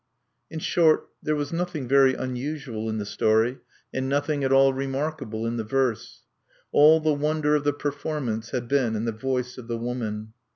_" In short, there was nothing very unusual in the story, and nothing at all remarkable in the verse. All the wonder of the performance had been in the voice of the woman.